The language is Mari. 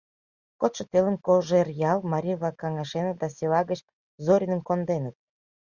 Кодшо телым Кожеръял марий-влак каҥашеныт да села гыч Зориным конденыт.